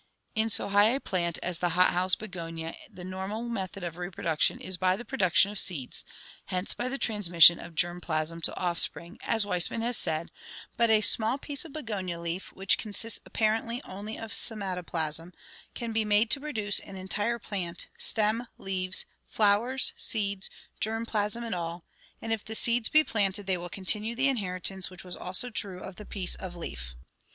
In so high a plant as the hothouse begonia the normal method of reproduction is by the production of seeds, hence by the trans mission of germ plasm to offspring, as Weismann has said, but a small piece of begonia leaf, which consists apparently only of somatoplasm, can be made to produce an entire plant, stem, leaves, flowers, seeds, germ plasm and all, and if the seeds be planted they will continue the inheritance which was also true of the piece of leaf.